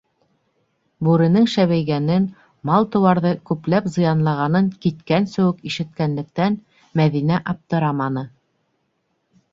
Бүренең шәбәйгәнен, мал-тыуарҙы күпләп зыянлағанын киткәнсе үк ишеткәнлектән, Мәҙинә аптыраманы.